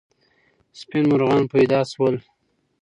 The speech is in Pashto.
سپین مرغان پیدا سول.